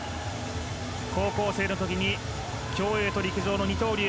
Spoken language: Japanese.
高校生の時に競泳と陸上の二刀流。